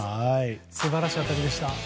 素晴らしい当たりでした。